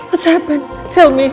roy apa yang terjadi